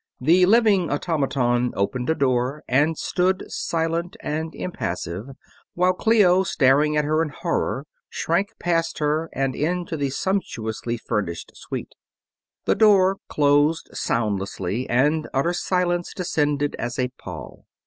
The living automaton opened a door and stood silent and impassive while Clio, staring at her in horror, shrank past her and into the sumptuously furnished suite. The door closed soundlessly and utter silence descended as a pall.